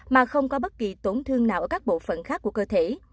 mà không có bất kỳ tổn thương nào ở các bộ phận khác của cơ thể